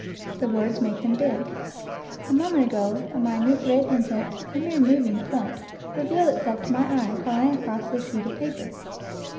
The words make them big. A moment ago a minute red insect, a mere moving point, revealed itself to my eye, crawling across this sheet of paper.